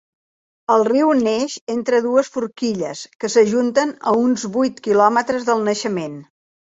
El riu neix entre dues forquilles, que s'ajunten a uns vuit quilòmetres del naixement.